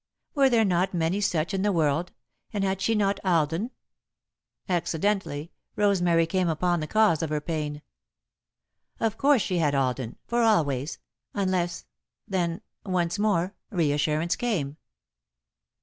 Were there not many such in the world, and had she not Alden? Accidentally, Rosemary came upon the cause of her pain. Of course she had Alden, for always unless then, once more, reassurance came.